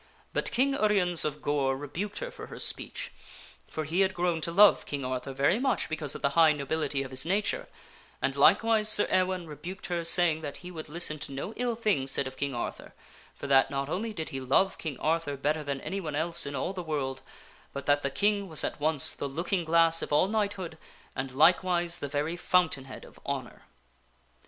But King Uriens of Gore rebuked her for her speech, for he had grown to love King Arthur very much because of the high nobility of his nature, and likewise Sir Ewaine rebuked her saying that he would listen to no ill thing said of King Arthur, for that not only did he love King Arthur better than anyone else in all the world, but that the King was at once the looking glass of all knighthood and likewise the very fountain head of honor.